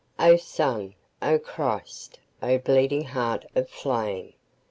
O Sun, O Christ, O bleeding Heart of flame!